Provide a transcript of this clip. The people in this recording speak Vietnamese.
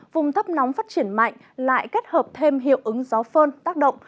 vùng thấp nóng phát triển mạnh lại kết hợp thêm hiệu ứng gió phơn tác động